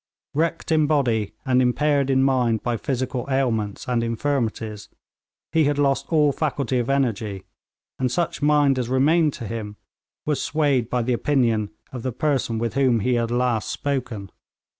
Wrecked in body and impaired in mind by physical ailments and infirmities, he had lost all faculty of energy, and such mind as remained to him was swayed by the opinion of the person with whom he had last spoken.